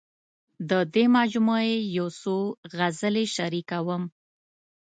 د دې مجموعې یو څو غزلې شریکوم.